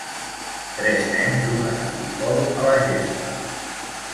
Tres nens juguen a futbol a la gespa.